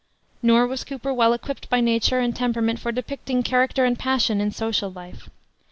Nor was Cooper well equipped by nature and temperament for depicting character and passion in social life.